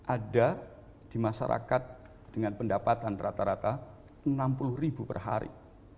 ada di masyarakat dengan pendapatan rata rata enam puluh ribu per hari